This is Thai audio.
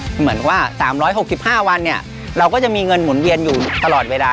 เหมือนว่า๓๖๕วันเนี่ยเราก็จะมีเงินหมุนเวียนอยู่ตลอดเวลา